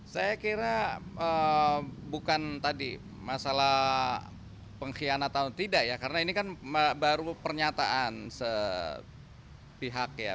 saya kira bukan tadi masalah pengkhianat atau tidak ya karena ini kan baru pernyataan sepihak ya